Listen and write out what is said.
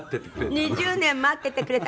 黒柳：２０年、待っててくれた。